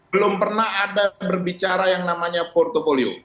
belum pernah ada berbicara yang namanya portfolio